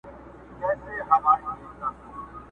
در جارېږمه سپوږمیه راته ووایه په مینه.!